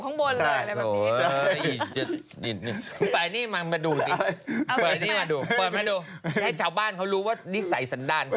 ให้เจ้าบ้านเขารู้ว่านิสัยสันดาล